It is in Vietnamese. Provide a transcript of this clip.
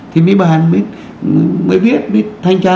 thì mới bản mới viết mới thanh tra